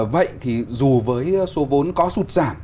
vậy thì dù với số vốn có sụt giảm